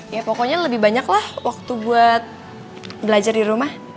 ya pokoknya lebih banyak lah waktu buat belajar di rumah